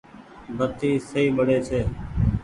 بتي سئي ٻڙي ڇي۔